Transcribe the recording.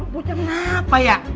bu kenapa ya